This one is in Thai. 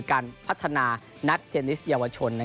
การพัฒนานักเทนนิสเยาวชน